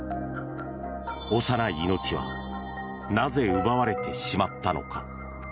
幼い命はなぜ奪われてしまったのか。